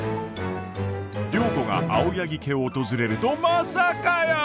良子が青柳家を訪れるとまさかやー！